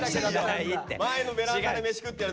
前のベランダで飯食ってるやつも。